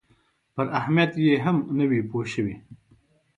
پر اهمیت یې هم نه وي پوه شوي.